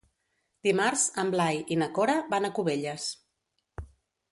Dimarts en Blai i na Cora van a Cubelles.